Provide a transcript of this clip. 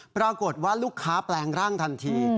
ปรากฏว่าลูกค้าแปลงร่างทันที